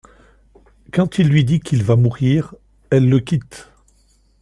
Quand il lui dit qu'il va mourir, elle le quitte.